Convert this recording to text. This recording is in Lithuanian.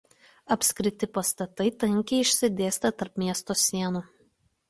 Apskriti pastatai tankiai išsidėstę tarp miesto sienų.